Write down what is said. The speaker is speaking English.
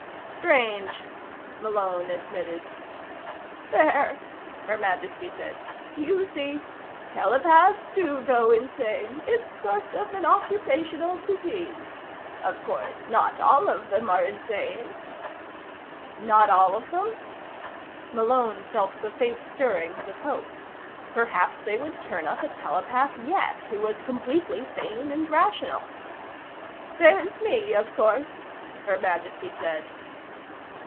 "Strange," Malone admitted. "There," Her Majesty said. "You see? Telepaths do go insane it's sort of an occupational disease. Of course, not all of them are insane." "Not all of them?" Malone felt the faint stirrings of hope. Perhaps they would turn up a telepath yet who was completely sane and rational. "There's me, of course," Her Majesty said.